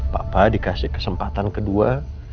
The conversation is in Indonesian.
papa dikasih kesempatan kedua